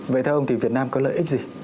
vậy theo ông thì việt nam có lợi ích gì